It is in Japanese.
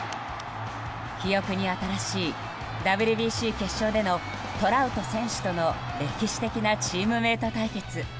記憶に新しいＷＢＣ決勝でのトラウト選手との歴史的なチームメート対決。